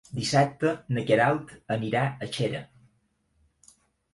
Dissabte na Queralt anirà a Xera.